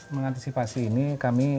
mengantisipasi ini kami